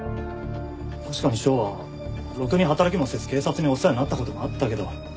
確かに翔はろくに働きもせず警察にお世話になった事もあったけど。